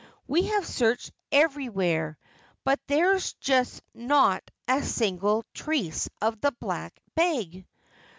We have searched everywhere, but there just is not a single trace of the Black Bag."